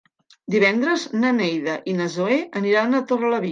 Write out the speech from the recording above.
Divendres na Neida i na Zoè aniran a Torrelavit.